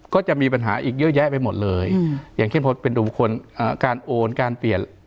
ก็จะมีปัญหาอีกเยอะแยะไปหมดเลยอย่างเช่นพอเป็นบุคคลการโอนการเปลี่ยน